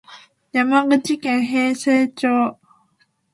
山口県平生町